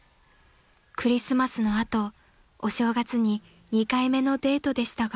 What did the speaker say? ［クリスマスの後お正月に２回目のデートでしたが］